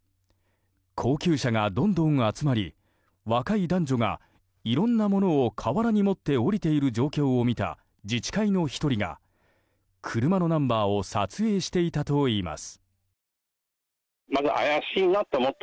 高級車がどんどん集まり若い男女が、いろんなものを河原に持って、下りている状況を見た自治会の１人が車のナンバーを撮影していたといいます。